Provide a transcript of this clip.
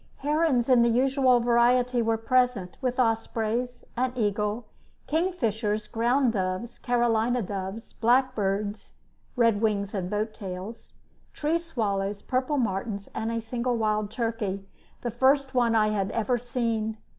Herons in the usual variety were present, with ospreys, an eagle, kingfishers, ground doves, Carolina doves, blackbirds (red wings and boat tails), tree swallows, purple martins, and a single wild turkey, the first one I had ever seen.